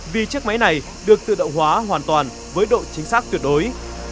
vì chiếc máy này được tự động hóa hoàn toàn với độ chính xác tuyệt đối